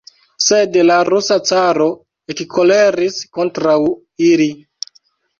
Sed la rusa caro ekkoleris kontraŭ ili.